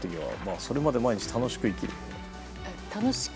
それまで毎日楽しく生きる。